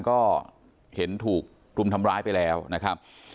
ก็เห็นถูกกลุ่มทำร้ายไปแล้วนะครับ